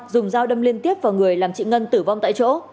dùng dao đâm liên tiếp vào người làm chị ngân tử vong tại chỗ